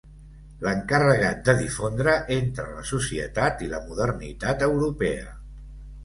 L'encarregat de difondre entre la societat la modernitat europea.